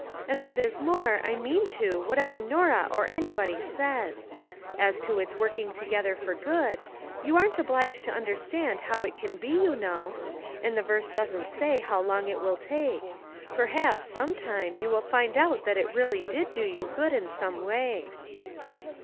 " And what is more, I mean to, whatever Norah or anybody says. As to its ' working together for good,' you aren't obliged to understand how it can be, you know. And the verse doesn't say how long it will take. Per haps some time you will find out that it really did do you good in some way."